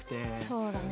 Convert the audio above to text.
そうだね。